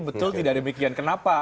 betul tidak demikian kenapa